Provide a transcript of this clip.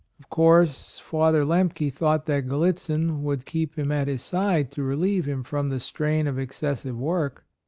Of course Father Lemke thought that Gallitzin would keep him at his side to relieve him from the strain of excessive work.